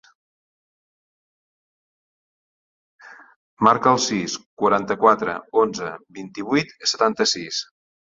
Marca el sis, quaranta-quatre, onze, vint-i-vuit, setanta-sis.